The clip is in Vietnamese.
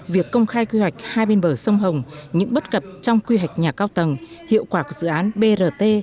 việc công khai quy hoạch hai bên bờ sông hồng những bất cập trong quy hoạch nhà cao tầng hiệu quả của dự án brt